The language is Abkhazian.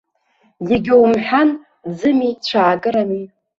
Иагьоумҳәан, ӡыми, цәаакырами!